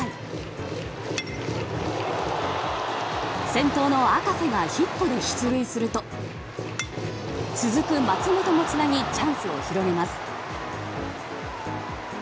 先頭の赤瀬がヒットで出塁すると続く松本もつなぎチャンスを広げます。